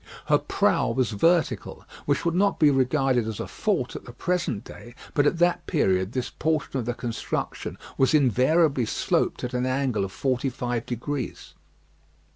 Her prow was vertical, which would not be regarded as a fault at the present day, but at that period this portion of the construction was invariably sloped at an angle of forty five degrees.